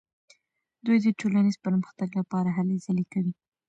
دوی د ټولنیز پرمختګ لپاره هلې ځلې کوي.